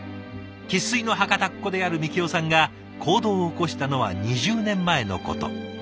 生っ粋の博多っ子である樹生さんが行動を起こしたのは２０年前のこと。